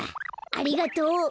ありがとう！